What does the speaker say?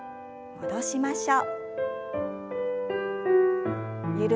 戻しましょう。